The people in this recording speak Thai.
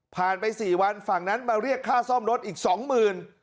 ไป๔วันฝั่งนั้นมาเรียกค่าซ่อมรถอีกสองหมื่น